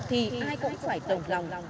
thì ai cũng phải tổng lòng